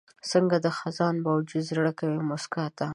څنګه د خزان باوجود زړه کوي موسکا ته؟